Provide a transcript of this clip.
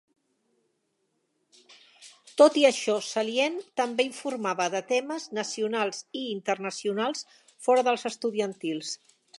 Tot i això, "Salient" també informava de temes nacionals i internacionals fora dels estudiantils.